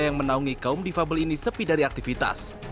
yang menaungi kaum difabel ini sepi dari aktivitas